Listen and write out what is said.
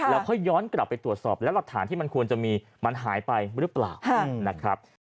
แล้วค่อยย้อนกลับไปตรวจสอบแล้วหลักฐานที่มันควรจะมีมันหายไปหรือเปล่านะครับ